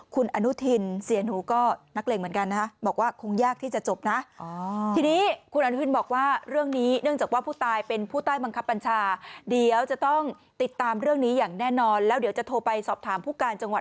คุณอนุทินเสียหนูก็นักเล่งเหมือนกันนะฮะบอกว่าคงยากที่จะจบนะ